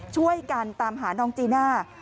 ช่วยกันตามหาน้องจีน่า